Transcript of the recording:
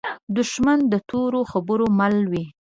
دښمن د تورو خبرو مل وي